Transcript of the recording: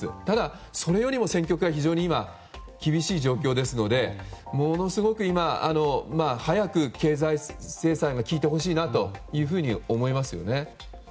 ただ、それよりも戦局が非常に厳しい状況ですのでものすごく今、早く経済制裁が効いてほしいなと思いますよね。